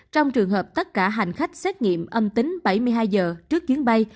trong trường hợp tất cả hành khách xét nghiệm âm tính bảy mươi hai giờ trước chuyến bay